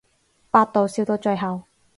百度笑到最後